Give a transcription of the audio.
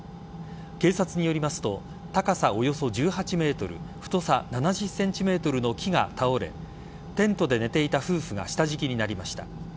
警察によりますと高さおよそ１８ｍ太さ７０ｃｍの木が倒れテントで寝ていた夫婦が下敷きになりました。